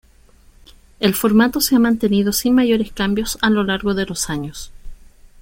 El formato se ha mantenido sin mayores cambios a lo largo de los años.